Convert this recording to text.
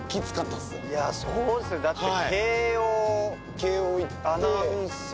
いやそうですよだって。